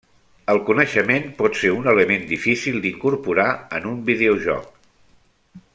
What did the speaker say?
El coneixement pot ser un element difícil d’incorporar en un videojoc.